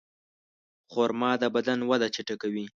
خرما د بدن وده چټکوي.